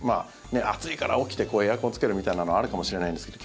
暑いから起きてエアコンつけるみたいなのはあるかもしれないんですけど